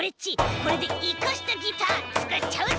これでいかしたギターつくっちゃうぞ！